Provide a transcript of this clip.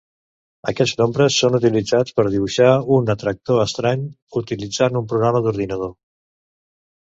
Aquests nombres són utilitzats per dibuixar un atractor estrany utilitzant un programa d'ordinador.